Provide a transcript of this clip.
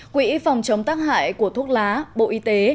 quỹ phòng chống tác hại của thuốc lá bộ y tế